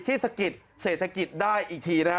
ที่สะกิดสะกิดได้อีกทีนะฮะ